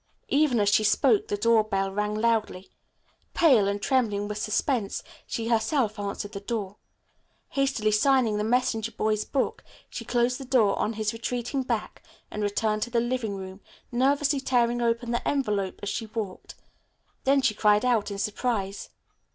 Even as she spoke, the door bell rang loudly. Pale and trembling with suspense, she herself answered the door. Hastily signing the messenger boy's book she closed the door on his retreating back and returned to the living room, nervously tearing open the envelope as she walked. Then she cried out in surprise.